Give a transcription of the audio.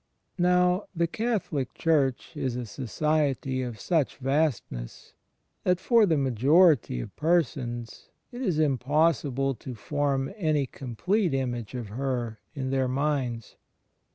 Now the Catholic Church is a Society of such vast ness, that for the majority of persons it is impossible to form any complete image of her in their minds.